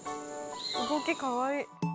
動きかわいい。